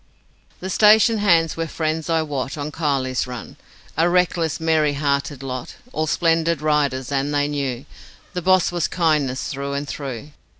The station hands were friends I wot On Kiley's Run, A reckless, merry hearted lot All splendid riders, and they knew The 'boss' was kindness through and through.